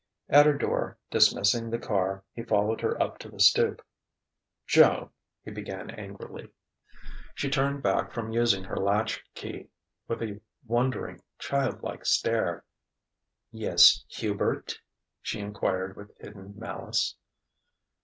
At her door, dismissing the car, he followed her up to the stoop. "Joan " he began angrily. She turned back from using her latch key, with a wondering, child like stare. "Yes, Hubert?" she enquired with hidden malice.